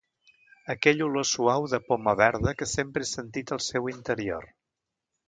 Aquella olor suau de poma verda que sempre he sentit al seu interior.